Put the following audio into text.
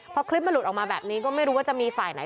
พอคลิปมันหลุดออกมาแบบนี้ก็ไม่รู้ว่าจะมีฝ่ายไหน